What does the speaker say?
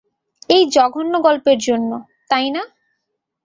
এই জঘন্য গল্পের জন্য, তাই না?